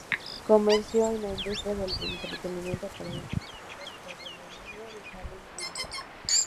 Comenzó en la industria del entretenimiento para adultos usando el seudónimo de Haley Wilde.